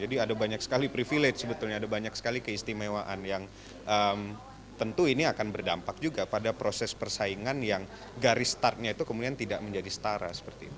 jadi ada banyak sekali privilege ada banyak sekali keistimewaan yang tentu ini akan berdampak juga pada proses persaingan yang garis startnya itu kemudian tidak menjadi setara